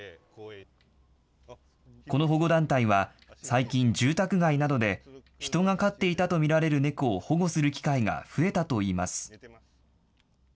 この保護団体は、最近、住宅街などで、人が飼っていたと見られる猫を保護する機会が増えたといいます。